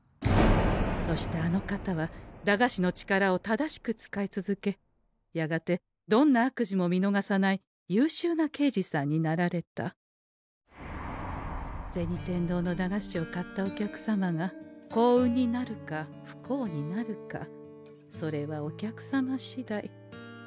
そしてあの方は駄菓子の力を正しく使い続けやがてどんな悪事も見のがさない優秀な刑事さんになられた銭天堂の駄菓子を買ったお客様が幸運になるか不幸になるかそれはお客様しだい。